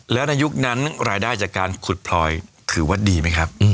แล้วในยุคนั้นรายได้จากการขุดพลอยถือว่าดีไหมครับ